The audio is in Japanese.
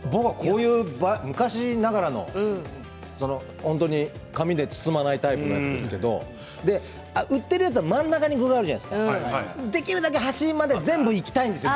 昔ながらの本当に紙で包まないタイプのやつですけれど売っているやつは真ん中に具があるじゃないですかできるだけ端まで全部いきたいんですよ。